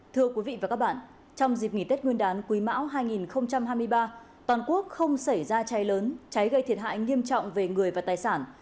thưa quý vị và các bạn trong dịp nghỉ tết nguyên đán quý mão hai nghìn hai mươi ba toàn quốc không xảy ra cháy lớn cháy gây thiệt hại nghiêm trọng về người và tài sản